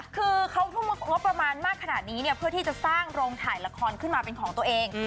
คือเขาทุ่มงบประมาณมากขนาดนี้เนี่ยเพื่อที่จะสร้างโรงถ่ายละครขึ้นมาเป็นของตัวเอง